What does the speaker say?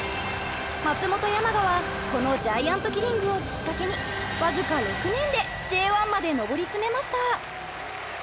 松本山雅はこのジャイアントキリングをきっかけに僅か６年でＪ１まで上り詰めました。